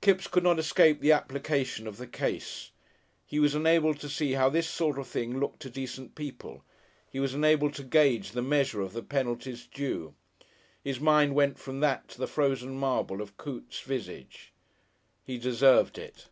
Kipps could not escape the application of the case. He was enabled to see how this sort of thing looked to decent people; he was enabled to gauge the measure of the penalties due. His mind went from that to the frozen marble of Coote's visage. _He deserved it!